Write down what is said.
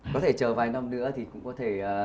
có thể chờ vài năm nữa thì cũng có thể